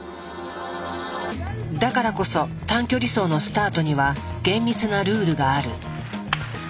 だからこそ短距離走のスタートには厳密なルールがある。